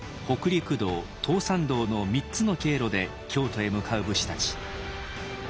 北陸道東山道の３つの経路で京都へ向かう武士たち。